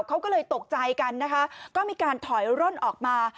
เขาก็เลยตกใจกันนะคะก็มีการถอยร่นออกมา